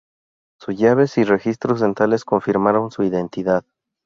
Sus llaves y registros dentales confirmaron su identidad.